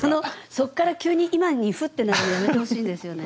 そっから急に今にフッてなるのやめてほしいんですよね。